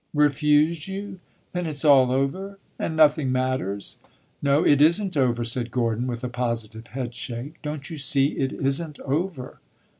"Refused you? Then it is all over, and nothing matters." "No, it is n't over," said Gordon, with a positive head shake. "Don't you see it is n't over?"